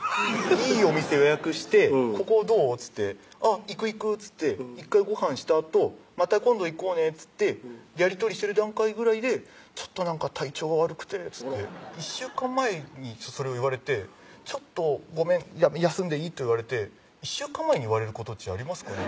いいお店予約して「ここどう？」っつって「行く行く」っつって１回ごはんしたあと「また今度行こうね」っつってやり取りしてる段階ぐらいで「ちょっとなんか体調が悪くて」っつって１週間前にそれを言われて「ちょっとごめん休んでいい？」と言われて１週間前に言われることっちありますか？